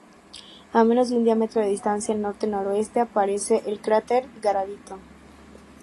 A menos de un diámetro de distancia al norte-noroeste aparece el cráter Garavito.